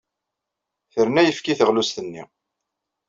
Terna ayefki i teɣlust-nni.